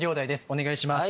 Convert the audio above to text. お願いします。